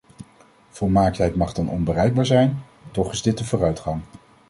Volmaaktheid mag dan onbereikbaar zijn, toch is dit een vooruitgang.